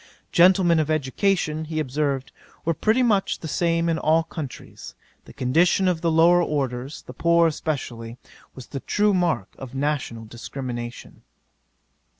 Gentlemen of education, he observed, were pretty much the same in all countries; the condition of the lower orders, the poor especially, was the true mark of national discrimination."